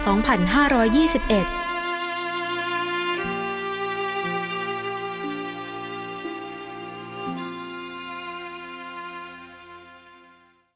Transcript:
โปรดติดตามตอนต่อไป